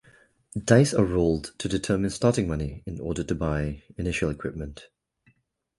Dice are rolled to determine starting money in order to buy initial equipment.